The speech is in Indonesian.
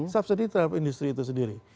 subsidi terhadap industri itu sendiri